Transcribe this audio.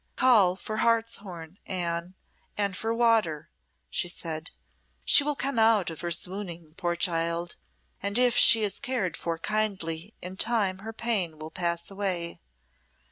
"Call for hartshorn, Anne, and for water," she said; "she will come out of her swooning, poor child, and if she is cared for kindly in time her pain will pass away.